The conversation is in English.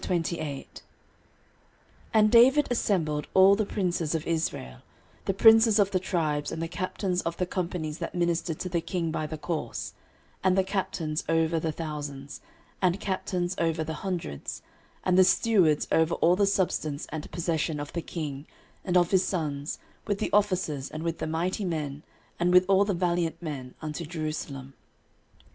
13:028:001 And David assembled all the princes of Israel, the princes of the tribes, and the captains of the companies that ministered to the king by course, and the captains over the thousands, and captains over the hundreds, and the stewards over all the substance and possession of the king, and of his sons, with the officers, and with the mighty men, and with all the valiant men, unto Jerusalem.